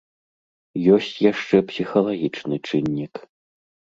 Ёсць яшчэ псіхалагічны чыннік.